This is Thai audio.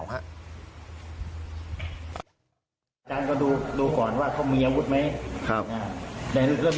จำหน้าคนร้ายได้ไหม